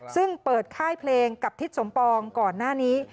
ซึ่งเปิดค่ายเพลงกับทิศสมปองก่อนหน้านี้